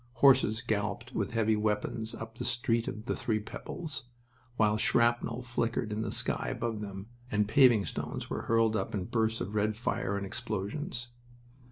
Horses galloped with heavy wagons up the Street of the Three Pebbles, while shrapnel flickered in the sky above them and paving stones were hurled up in bursts of red fire and explosions.